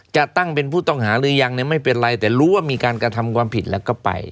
จะตั้งเป็นผู้ต้องหาหรือยังไม่เป็นไรแต่รู้ว่ามีการกระทำความผิดแล้วก็ไป